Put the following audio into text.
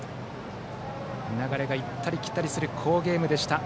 流れが行ったり来たりする好ゲームでした。